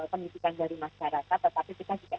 pendidikan dari masyarakat tetapi